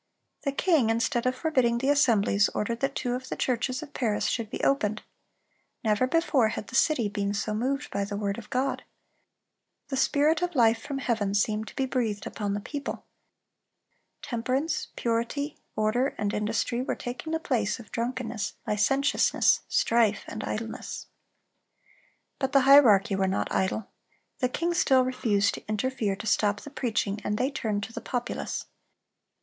The king, instead of forbidding the assemblies, ordered that two of the churches of Paris should be opened. Never before had the city been so moved by the word of God. The spirit of life from heaven seemed to be breathed upon the people. Temperance, purity, order, and industry were taking the place of drunkenness, licentiousness, strife, and idleness. But the hierarchy were not idle. The king still refused to interfere to stop the preaching, and they turned to the populace.